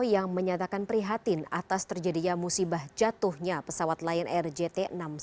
yang menyatakan prihatin atas terjadinya musibah jatuhnya pesawat lion air jt enam ratus sepuluh